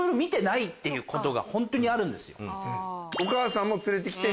っていうことがホントにあるんですよ。